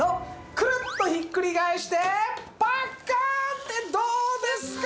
くるっとひっくり返してパッカーン！ってどうですか！